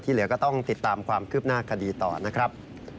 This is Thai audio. เหลือก็ต้องติดตามความคืบหน้าคดีต่อนะครับ